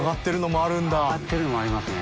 上がってるのもありますね。